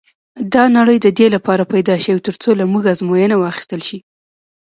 دا نړۍ د دې لپاره پيدا شوې تر څو له موږ ازموینه واخیستل شي.